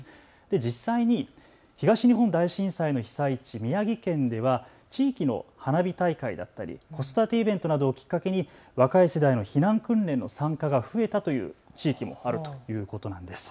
実際に東日本大震災の被災地、宮城県では地域の花火大会だったり子育てイベントなどをきっかけに若い世代の避難訓練の参加が増えたという地域もあるということなんです。